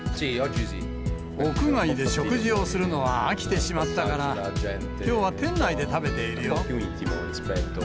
屋外で食事をするのは飽きてしまったから、きょうは店内で食べているよ。